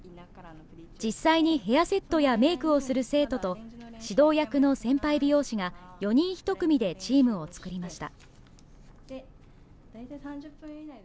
実際にヘアセットやメークをする生徒と、指導役の先輩美容師が４人１組でチームを作りました。